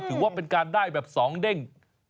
ถือว่าเป็นการได้แบบสองเด้ง